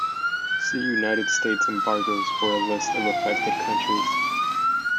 See United States embargoes for a list of affected countries.